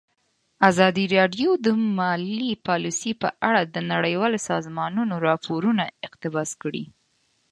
ازادي راډیو د مالي پالیسي په اړه د نړیوالو سازمانونو راپورونه اقتباس کړي.